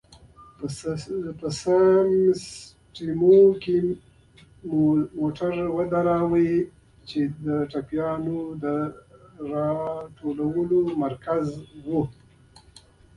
په سمسټمینټو کې مو موټر ودراوه، چې د ټپيانو د را ټولولو مرکز و.